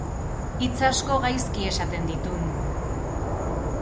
Hitz asko gaizki esaten ditun.